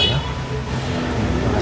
terima kasih papa